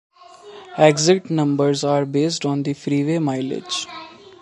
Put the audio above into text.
Exit numbers are based on the freeway mileage.